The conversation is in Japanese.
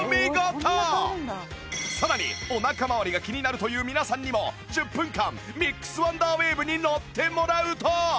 さらにお腹まわりが気になるという皆さんにも１０分間ミックスワンダーウェーブに乗ってもらうと